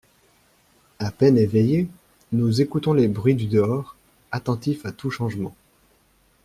À peine éveillés, nous écoutons les bruits du dehors, attentifs à tout changement.